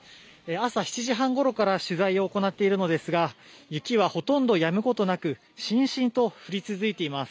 朝７時半ごろから取材を行っているのですが、雪はほとんどやむことなく、しんしんと降り続いています。